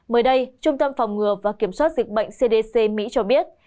mới đây trung tâm phòng ngừa và kiểm soát dịch bệnh cdc mỹ cho biết